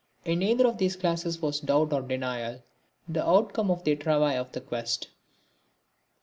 In neither of these classes was doubt or denial the outcome of the travail of their quest.